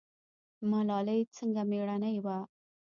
ملالۍ څنګه میړنۍ وه؟